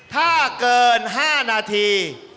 ถ้าเกิน๕นาที